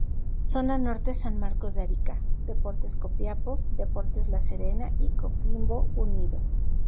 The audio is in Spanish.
Zona Norte: San Marcos de Arica, Deportes Copiapó, Deportes La Serena y Coquimbo Unido.